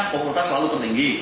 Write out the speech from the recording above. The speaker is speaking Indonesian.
popularitas selalu tertinggi